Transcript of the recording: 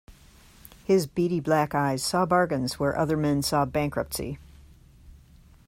His beady black eyes saw bargains where other men saw bankruptcy.